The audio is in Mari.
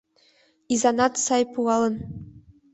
Изанат сай пуалын